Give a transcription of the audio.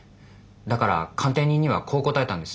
だから鑑定人にはこう答えたんです。